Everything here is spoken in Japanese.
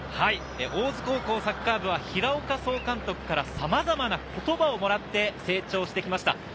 大津高校サッカー部は平岡総監督からさまざまな言葉をもらって成長してきました。